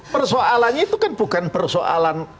persoalannya itu kan bukan persoalan